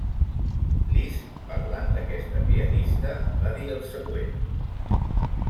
Liszt, parlant d'aquesta pianista, va dir el següent.